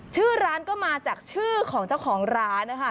ชื่อร้านก็มาจากชื่อของเจ้าของร้านนะคะ